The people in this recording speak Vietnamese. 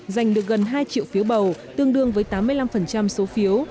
giành được gần hai triệu phiếu bầu tương đương với tám mươi năm số phiếu